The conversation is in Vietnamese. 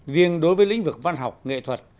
riêng đối với lĩnh vực văn học nghệ thuật